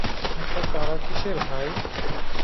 এত তাড়া কিসের ভাই?